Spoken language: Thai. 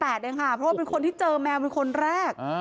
เพราะว่าเป็นคนที่เจอแมวเป็นคนแรก